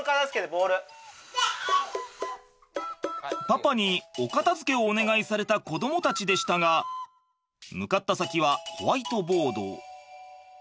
パパにお片づけをお願いされた子どもたちでしたが向かった先はホワイトボード。